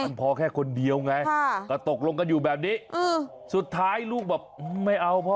มันพอแค่คนเดียวไงก็ตกลงกันอยู่แบบนี้สุดท้ายลูกแบบไม่เอาพ่อ